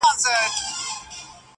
خو يو ځل بيا وسجدې ته ټيټ سو,